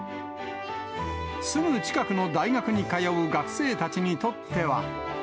すぐ近くの大学に通う学生たちにとっては。